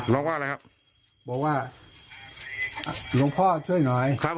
ร้องว่าอะไรครับบอกว่าหลวงพ่อช่วยหน่อยครับ